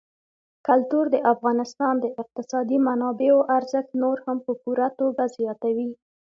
کلتور د افغانستان د اقتصادي منابعو ارزښت نور هم په پوره توګه زیاتوي.